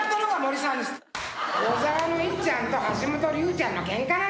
小沢のいっちゃんと橋本竜ちゃんのケンカなんですよ。